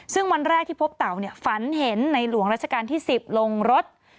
ซึ่งวันแรกที่พบเต่าฝันเห็นในหลวงราชการที่๑๐ลงรถ